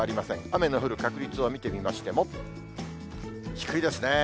雨の降る確率を見てみましても、低いですね。